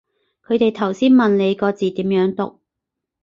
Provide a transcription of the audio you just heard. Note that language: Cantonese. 佢哋頭先問你個字點樣讀